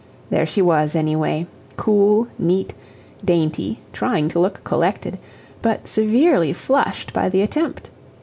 There she was, anyway cool, neat, dainty, trying to look collected, but severely flushed by the attempt.